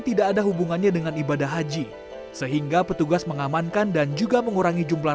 tidak ada hubungannya dengan ibadah haji sehingga petugas mengamankan dan juga mengurangi jumlah